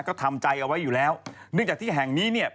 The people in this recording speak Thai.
ก็ทำใจเอาไว้อยู่แล้วเนื่องจากที่แห่งนี้เนี่ย